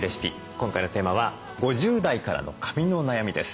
今回のテーマは５０代からの髪の悩みです。